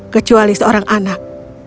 kecuali seorang anak